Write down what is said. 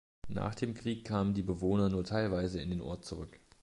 Nach dem Krieg kamen die Bewohner nur teilweise in den Ort zurück.